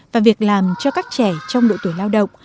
và việc làm cho các trẻ trong độ tuổi lao động